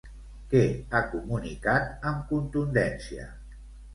Què ha comunicat amb contundència?